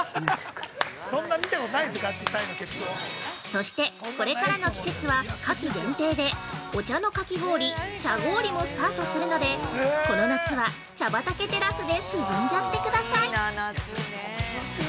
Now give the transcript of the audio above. ◆そして、これからの季節は、夏季限定でお茶のかき氷、茶氷もスタートするので、この夏は茶畑テラスで涼んじゃってください。